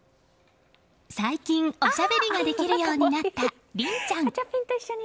最近、おしゃべりができるようになった凛ちゃん。